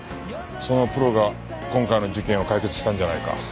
そのプロが今回の事件を解決したんじゃないか。